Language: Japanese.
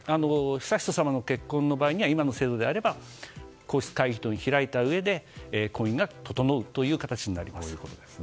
悠仁さまの結婚の場合には今の制度であれば皇室会議を開いたうえで婚姻が整うという形になります。